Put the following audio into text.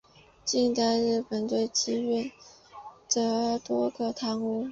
近代日本对妓院则多了汤屋。